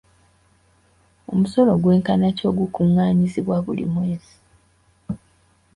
Omusolo gwenkana ki ogukungaanyizibwa buli mwezi?